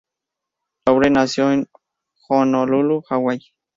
Lauren nació en Honolulu, Hawái.